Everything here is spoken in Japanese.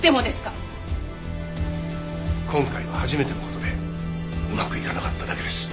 今回は初めての事でうまくいかなかっただけです。